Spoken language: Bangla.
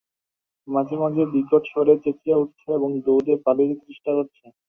মাঝে-মাঝে বিকট স্বরে চেঁচিয়ে উঠছে এবং দৌড়ে পালিয়ে যেতে চেষ্টা করছে।